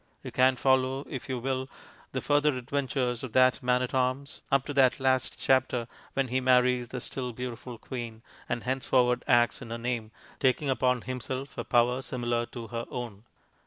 You can follow, if you will, the further adventures of that man at arms, up to that last chapter when he marries the still beautiful queen, and henceforward acts in her name, taking upon himself a power similar to her own.